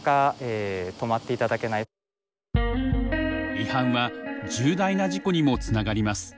違反は重大な事故にもつながります。